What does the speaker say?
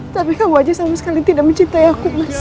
tapi kamu aja sama sekali tidak mencintai aku mas